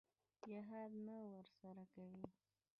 جهاد نه ورسره کوي.